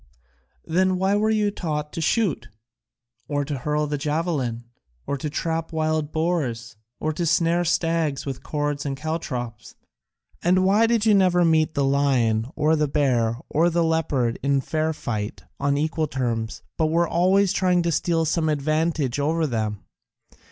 "Then why were you taught to shoot? Or to hurl the javelin? Or to trap wild boars? Or to snare stags with cords and caltrops? And why did you never meet the lion or the bear or the leopard in fair fight on equal terms, but were always trying to steal some advantage over them?